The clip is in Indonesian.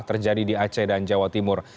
terjadi di aceh dan jawa timur